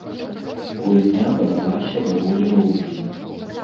Гульня падалася даволі роўнай.